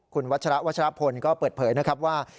คุณวัชระวัชรพลก็เปิดเผยนะครับว่า